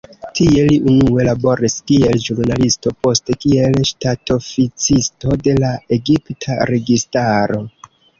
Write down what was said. Tie li unue laboris kiel ĵurnalisto, poste kiel ŝtatoficisto de la egipta registaro.